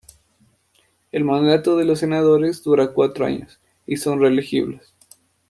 El mandato de los senadores duran cuatro años y son reelegibles.